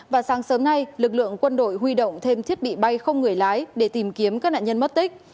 và sáng sớm nay lực lượng quân đội huy động thêm thiết bị bay không người lái để tìm kiếm các nạn nhân mất tích